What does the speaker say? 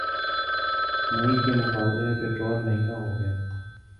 مئی کے مقابلے میں پٹرول مہنگا ہوگیا